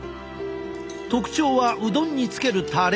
特徴はうどんにつけるタレ。